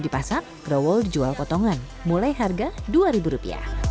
di pasar growol dijual potongan mulai harga rp dua